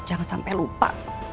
jangan sampai lupa